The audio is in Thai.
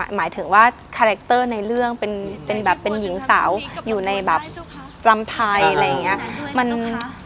หมายถึงว่าคาแรคเตอร์ในเรื่องเป็นแบบเป็นหญิงสาวอยู่ในแบบรำไทยอะไรอย่างนี้